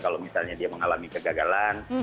kalau misalnya dia mengalami kegagalan